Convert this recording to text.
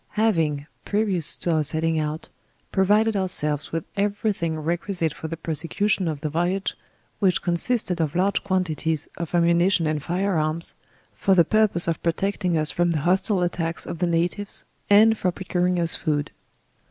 Having 1 , previous to our setting out, pro vided ourselves with every thing requisite for the prosecution of the voyage, which consisted of Urge quantities of ama nition and fire arms, for the purpose of protecting us from the hostile attacks of the natives, and for procuring us food.